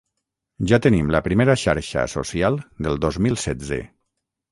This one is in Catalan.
Ja tenim la primera xarxa social del dos mil setze.